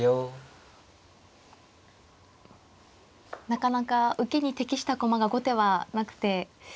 なかなか受けに適した駒が後手はなくて。